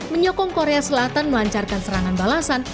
menyokong korea selatan melancarkan serangan balasan